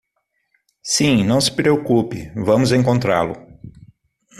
Sim, não se preocupe, vamos encontrá-lo.